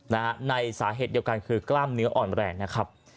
ในสาเหตุเดียวกันคือกล้ามเนื้ออ่อนแรงนะครับ